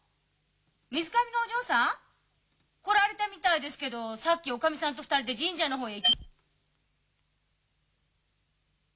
水上のお嬢さん？来られたみたいですけどさっき女将さんと２人で神社のほうへ。